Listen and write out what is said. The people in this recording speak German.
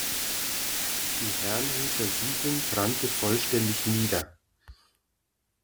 Die Herrnhuter Siedlung brannte vollständig nieder.